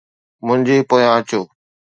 منهنجي پويان اچو